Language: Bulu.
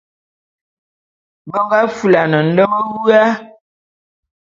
Be nga fulane nlem wua.